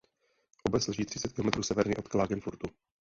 Obec leží třicet kilometrů severně od Klagenfurtu.